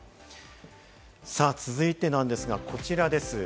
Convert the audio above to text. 続いてですが、こちらです。